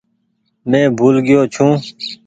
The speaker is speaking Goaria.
مين ڀول گئيو ڇون۔